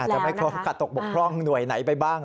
จะไม่ครบกัดตกบกพร่องหน่วยไหนไปบ้าง